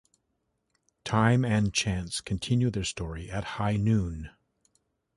"Time and Chance" continues their story at high noon.